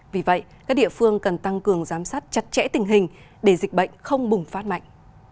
vì vậy các địa phương cần tăng cường giám sát chặt chẽ tình hình để dịch bệnh không bùng phát mạnh